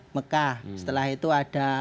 mekah setelah itu ada